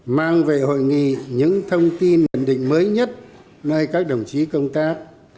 mang về hội nghị những thông tin ẩn định mới nhất nơi các đồng chí công tác